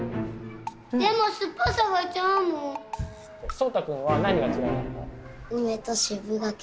そうたくんは何が嫌いなの？